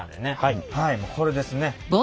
はいもうこれですね。